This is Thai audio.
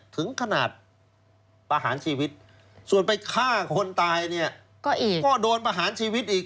ถึงขนาดประหารชีวิตส่วนไปฆ่าคนตายเนี่ยก็โดนประหารชีวิตอีก